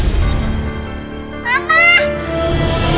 itu bukan masakan nasi sayuran anak bukan masakan buck's badan